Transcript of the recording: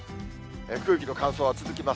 空気の乾燥は続きます。